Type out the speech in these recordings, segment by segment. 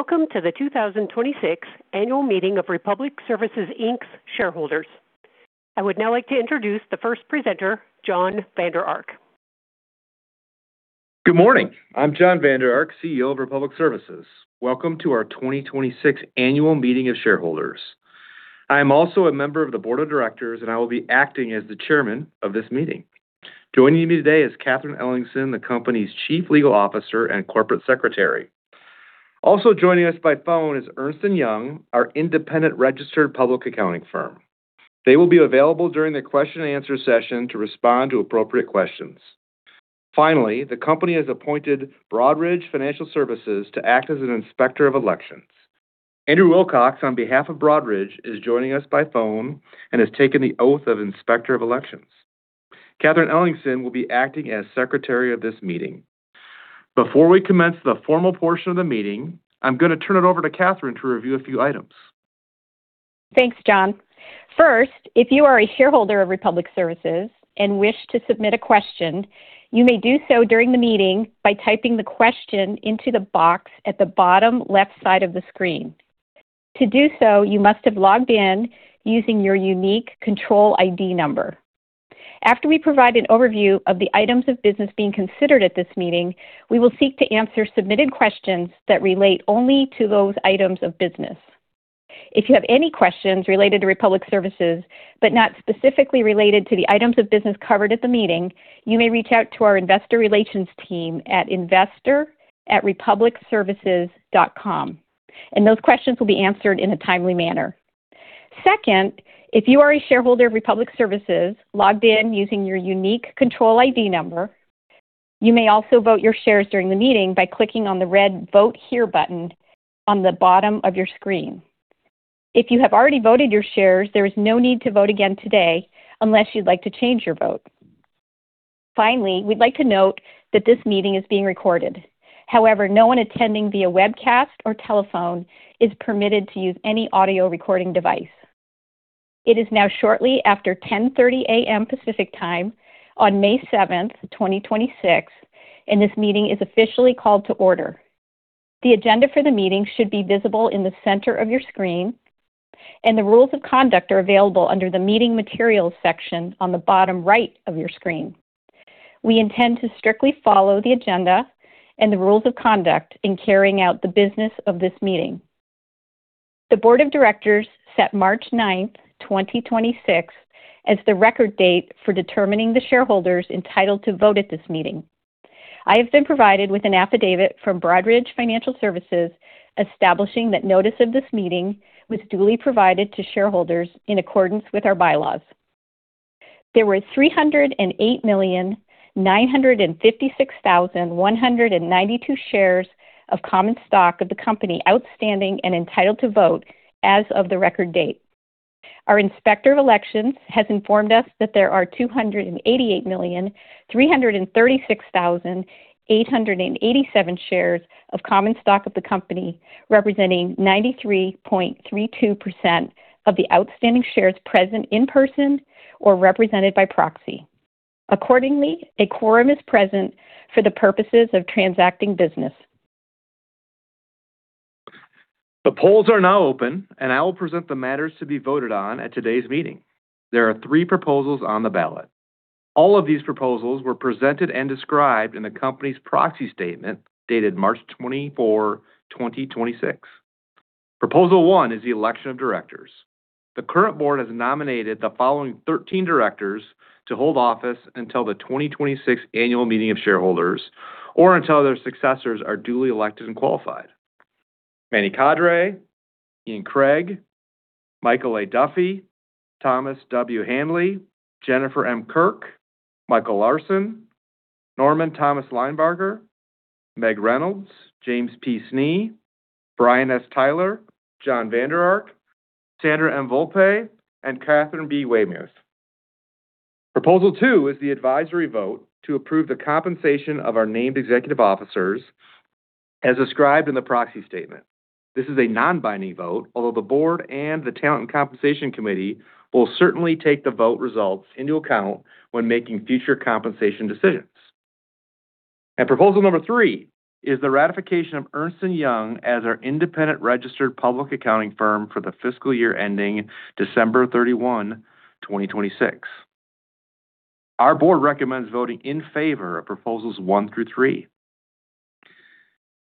Welcome to the 2026 annual meeting of Republic Services, Inc.'s shareholders. I would now like to introduce the first presenter, Jon Vander Ark. Good morning. I'm Jon Vander Ark, CEO of Republic Services. Welcome to our 2026 annual meeting of shareholders. I am also a member of the board of directors, I will be acting as the Chairman of this meeting. Joining me today is Catharine Ellingsen, the company's Chief Legal Officer and Corporate Secretary. Joining us by phone is Ernst & Young, our independent registered public accounting firm. They will be available during the question and answer session to respond to appropriate questions. The company has appointed Broadridge Financial Solutions to act as an inspector of elections. Andrew Wilcox, on behalf of Broadridge, is joining us by phone and has taken the oath of inspector of elections. Catharine Ellingsen will be acting as Secretary of this meeting. Before we commence the formal portion of the meeting, I'm gonna turn it over to Catharine to review a few items. Thanks, Jon. First, if you are a shareholder of Republic Services and wish to submit a question, you may do so during the meeting by typing the question into the box at the bottom left side of the screen. To do so, you must have logged in using your unique control ID number. After we provide an overview of the items of business being considered at this meeting, we will seek to answer submitted questions that relate only to those items of business. If you have any questions related to Republic Services, but not specifically related to the items of business covered at the meeting, you may reach out to our investor relations team at investor@republicservices.com, and those questions will be answered in a timely manner. Second, if you are a shareholder of Republic Services logged in using your unique control ID number, you may also vote your shares during the meeting by clicking on the red Vote Here button on the bottom of your screen. If you have already voted your shares, there is no need to vote again today unless you'd like to change your vote. Finally, we'd like to note that this meeting is being recorded. No one attending via webcast or telephone is permitted to use any audio recording device. It is now shortly after 10:30 A.M. Pacific Time on May seventh, 2026. This meeting is officially called to order. The agenda for the meeting should be visible in the center of your screen. The rules of conduct are available under the Meeting Materials section on the bottom right of your screen. We intend to strictly follow the agenda and the rules of conduct in carrying out the business of this meeting. The board of directors set March 9th, 2026 as the record date for determining the shareholders entitled to vote at this meeting. I have been provided with an affidavit from Broadridge Financial Solutions establishing that notice of this meeting was duly provided to shareholders in accordance with our bylaws. There were 308,956,192 shares of common stock of the company outstanding and entitled to vote as of the record date. Our inspector of elections has informed us that there are 288,336,887 shares of common stock of the company, representing 93.32% of the outstanding shares present in person or represented by proxy. Accordingly, a quorum is present for the purposes of transacting business. The polls are now open, and I will present the matters to be voted on at today's meeting. There are three proposals on the ballot. All of these proposals were presented and described in the company's proxy statement dated March 24, 2026. Proposal 1 is the election of directors. The current board has nominated the following 13 directors to hold office until the 2026 annual meeting of shareholders or until their successors are duly elected and qualified: Manny Kadre, Ian Craig, Michael A. Duffy, Thomas W. Handley, Jennifer M. Kirk, Michael Larson, Tom Linebarger, Meg Reynolds, James P. Snee, Brian S. Tyler, Jon Vander Ark, Sandra M. Volpe, and Katharine B. Weymouth. Proposal two is the advisory vote to approve the compensation of our named executive officers as described in the proxy statement. This is a non-binding vote, although the board and the Talent & Compensation Committee will certainly take the vote results into account when making future compensation decisions. Proposal number three is the ratification of Ernst & Young as our independent registered public accounting firm for the fiscal year ending December 31, 2026. Our board recommends voting in favor of proposals one through three.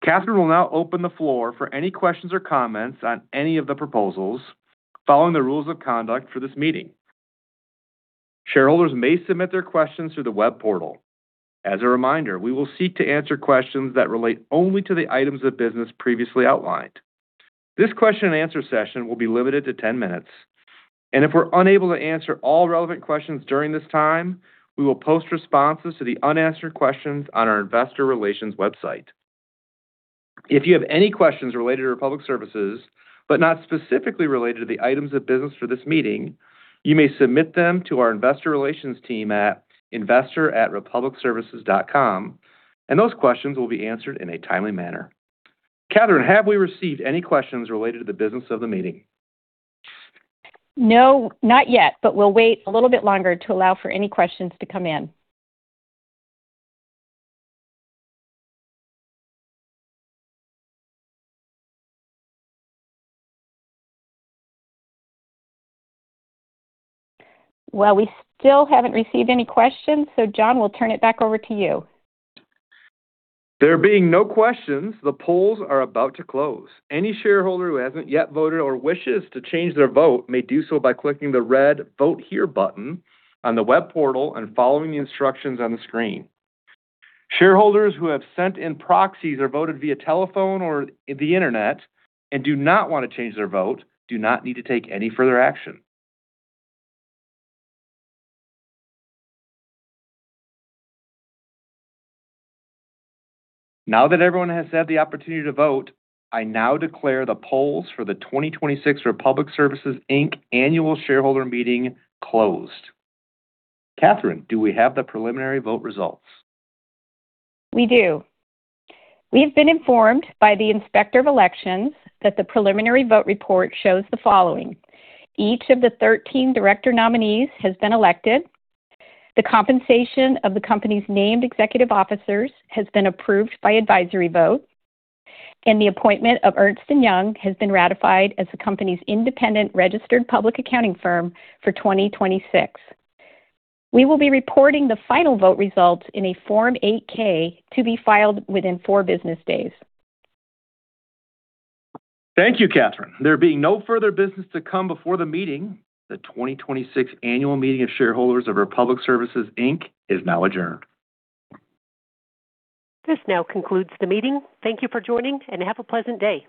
Catharine will now open the floor for any questions or comments on any of the proposals following the rules of conduct for this meeting. Shareholders may submit their questions through the web portal. As a reminder, we will seek to answer questions that relate only to the items of business previously outlined. This question and answer session will be limited to 10 minutes, and if we're unable to answer all relevant questions during this time, we will post responses to the unanswered questions on our investor relations website. If you have any questions related to Republic Services but not specifically related to the items of business for this meeting, you may submit them to investor@republicservices.com, and those questions will be answered in a timely manner. Catharine, have we received any questions related to the business of the meeting? No, not yet, but we'll wait a little bit longer to allow for any questions to come in. Well, we still haven't received any questions, so Jon, we'll turn it back over to you. There being no questions, the polls are about to close. Any shareholder who hasn't yet voted or wishes to change their vote may do so by clicking the red Vote Here button on the web portal and following the instructions on the screen. Shareholders who have sent in proxies or voted via telephone or the internet and do not want to change their vote do not need to take any further action. Now that everyone has had the opportunity to vote, I now declare the polls for the 2026 Republic Services, Inc. annual shareholder meeting closed. Catharine, do we have the preliminary vote results? We do. We have been informed by the Inspector of Elections that the preliminary vote report shows the following: Each of the 13 director nominees has been elected, the compensation of the company's named executive officers has been approved by advisory vote, and the appointment of Ernst & Young has been ratified as the company's independent registered public accounting firm for 2026. We will be reporting the final vote results in a Form 8-K to be filed within four business days. Thank you, Catharine. There being no further business to come before the meeting, the 2026 annual meeting of shareholders of Republic Services, Inc. is now adjourned. This now concludes the meeting. Thank you for joining, and have a pleasant day.